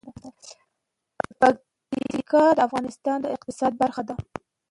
پکتیکا د افغانستان د اقتصاد برخه ده.